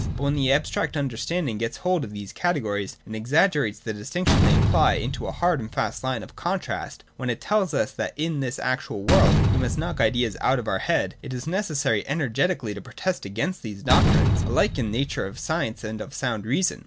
But when the abstract understanding gets hold of these cate gories and exaggerates the distinction they imply into a hard and fast line of contrast, when it tells us that in this actual world we must knock ideas out of our heads, it is necessary energetically to protest against these doctrines, alike in the name of science and of sound reason.